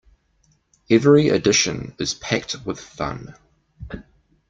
Every edition is packed with fun!